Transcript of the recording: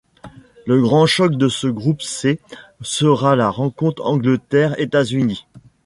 Le grand choc de ce groupe C sera la rencontre Angleterre-États-Unis.